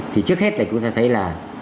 thì trước hết là chúng ta thấy là